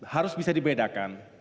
harus bisa dibedakan